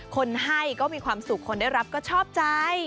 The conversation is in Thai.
คนให้ก็มีความสุขคนได้รับก็ชอบใจ